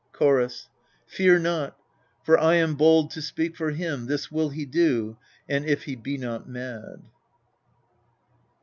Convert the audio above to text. Chorus. Fear not ; for I am bold to speak for him This will he do, an if he be not mad.